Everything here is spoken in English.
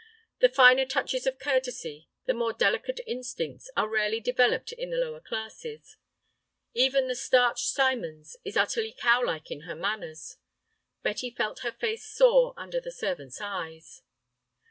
The finer touches of courtesy, the more delicate instincts, are rarely developed in the lower classes. Even the starched Symons was utterly cowlike in her manners. Betty felt her face sore under the servant's eyes.